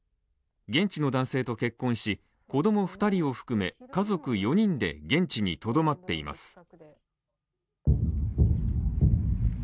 現地の男性と結婚し、子供２人を含め、家族４人で現地にとどまっています。